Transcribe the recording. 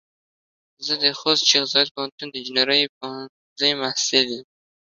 زه د خوست شیخ زايد پوهنتون د انجنیري پوهنځۍ محصل يم.